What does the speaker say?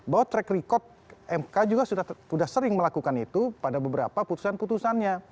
bahwa track record mk juga sudah sering melakukan itu pada beberapa putusan putusannya